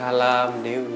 assalamualaikum mas fahri